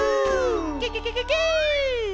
ケケケケケ。